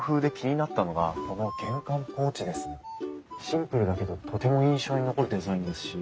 シンプルだけどとても印象に残るデザインですし。